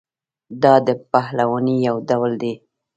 دا د پهلوانۍ یو ډول دی.